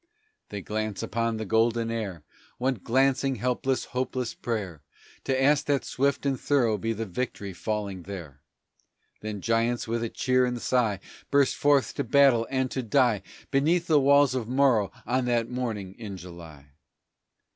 They cast upon the golden air One glancing, helpless, hopeless prayer, To ask that swift and thorough be the victory falling there; Then giants with a cheer and sigh Burst forth to battle and to die Beneath the walls of Morro on that morning in July.